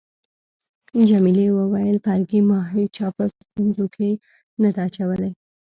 جميلې وويل: فرګي، ما هیچا په ستونزو کي نه ده اچولی.